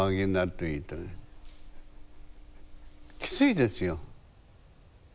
きついですよ。